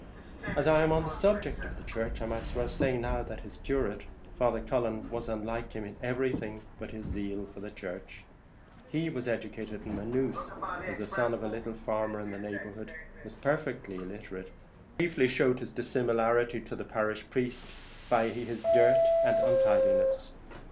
As I am on the subject of the church, I might as well say now that his curate, Father Cullen, was unlike him in everything but his zeal for the church. He was educated at Maynooth, was the son of a little farmer in the neighbourhood, was perfectly illiterate, but chiefly showed his dissimilarity to the parish priest by his dirt and untidiness.